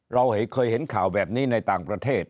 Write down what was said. เราเคยเห็นข่าวแบบนี้ในต่างประเทศ